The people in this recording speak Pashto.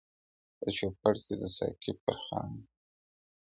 زه چوپړ کي د ساقي پر خمخانه سوم,